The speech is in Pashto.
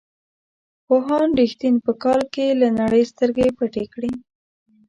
پوهاند رښتین په کال کې له نړۍ سترګې پټې کړې.